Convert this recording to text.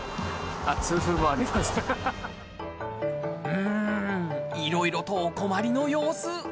うーん、いろいろとお困りの様子。